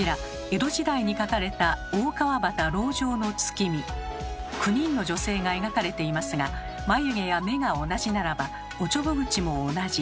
江戸時代に描かれた９人の女性が描かれていますが眉毛や目が同じならばおちょぼ口も同じ。